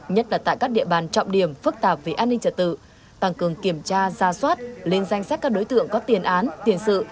nhất là tại các địa bàn trọng điểm phức tạp về an ninh trật tự tăng cường kiểm tra ra soát lên danh sách các đối tượng có tiền án tiền sự